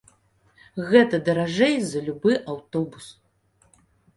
Гэта даражэй за любы аўтобус.